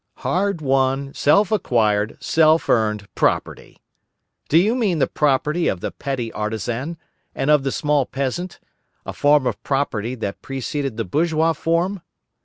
Hard won, self acquired, self earned property! Do you mean the property of the petty artisan and of the small peasant, a form of property that preceded the bourgeois form?